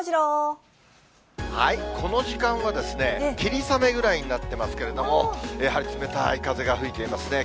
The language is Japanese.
この時間は、霧雨ぐらいになってますけれども、やはり冷たい風が吹いていますね。